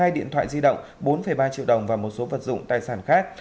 hai điện thoại di động bốn ba triệu đồng và một số vật dụng tài sản khác